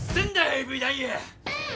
ＡＶ男優！